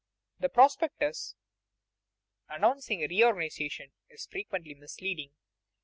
The prospectus announcing a reorganization is frequently misleading.